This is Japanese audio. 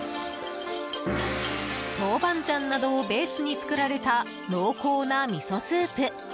豆板醤などをベースに作られた濃厚なみそスープ。